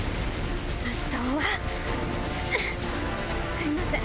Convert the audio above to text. すいません。